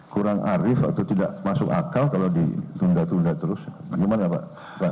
kurang arif atau tidak masuk akal kalau ditunda tunda terus bagaimana pak